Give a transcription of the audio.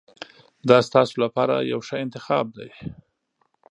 دا ستاسو لپاره یو ښه انتخاب دی.